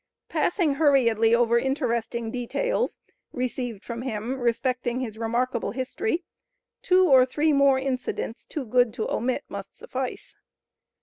Passing hurriedly over interesting details, received from him respecting his remarkable history, two or three more incidents too good to omit must suffice.